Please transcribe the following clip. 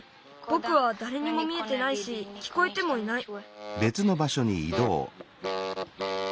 ぼくはだれにも見えてないしきこえてもいない。